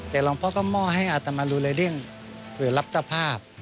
แต่หลังพ่อก็มอให้อาตมารุนเรียนหรือรับเจ้าภาพ